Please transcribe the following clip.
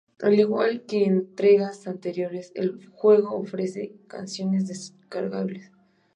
Al igual que en entregas anteriores, el juego ofrece canciones descargables.